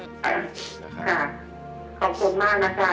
ขอบคุณมากนะคะ